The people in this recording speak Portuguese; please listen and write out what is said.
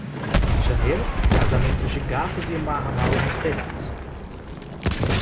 Em janeiro, casamentos de gatos e marramaus nos telhados.